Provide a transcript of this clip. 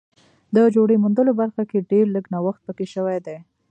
د جوړې موندلو برخه کې ډېر لږ نوښت پکې شوی دی